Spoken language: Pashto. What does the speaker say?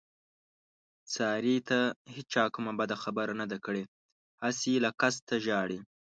سارې ته هېچا کومه بده خبره نه ده کړې، هسې له قسته ژاړي.